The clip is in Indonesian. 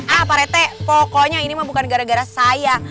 ah pak rete pokoknya ini mah bukan gara gara saya